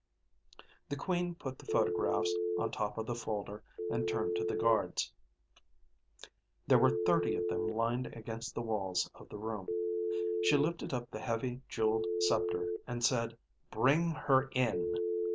The Queen put the photographs on top of the folder and turned to the guards. There were thirty of them lined against the walls of the room. She lifted up the heavy, jeweled scepter and said, "Bring her in."